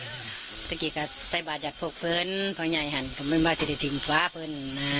เมื่อกี้ก็ใส่บาทอยากพบเพื่อนพ่อใหญ่ก็ไม่มาจริงฟ้าเพื่อน